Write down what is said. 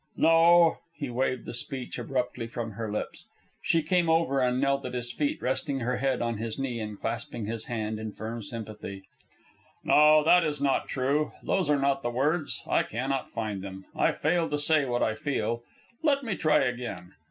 "No." He waved the speech abruptly from her lips. She came over and knelt at his feet, resting her head on his knee and clasping his hand in firm sympathy. "No, that is not true. Those are not the words. I cannot find them. I fail to say what I feel. Let me try again.